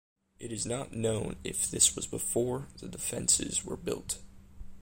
It is not known if this was before the defences were built.